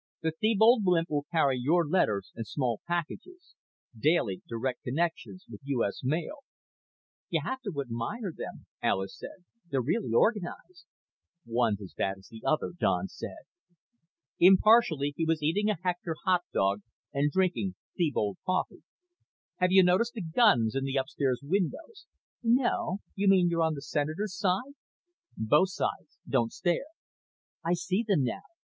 The Thebold Blimp will carry your letters and small packages. Direct daily connections with U. S. Mail._ "You have to admire them," Alis said. "They're really organized." "One's as bad as the other," Don said. Impartially, he was eating a Hector hot dog and drinking Thebold coffee. "Have you noticed the guns in the upstairs windows?" "No. You mean on the Senator's side?" "Both sides. Don't stare." "I see them now.